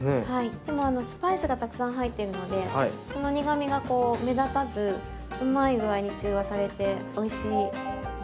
でもスパイスがたくさん入っているのでその苦みがこう目立たずうまいぐあいに中和されておいしい。